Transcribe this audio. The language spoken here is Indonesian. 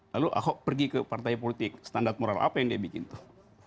lalu ahok pergi ke partai politik standar moral apa yang dia bikin tuh